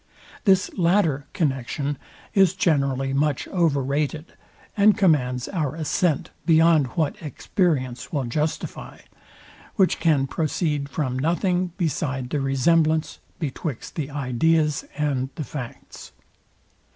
This latter connexion is generally much over rated, and commands our assent beyond what experience will justify; which can proceed from nothing beside the resemblance betwixt the ideas and the facts.